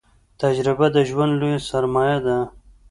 تجربه د ژوند لويه سرمايه ده